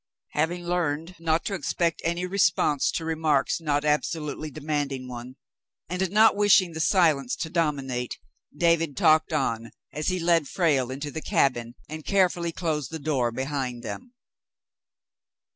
Having learned not to expect any response to remarks not absolutely demanding one, and not wishing the silence to dominate, David talked on, as he led Frale into the cabin and carefully closed the door behind them.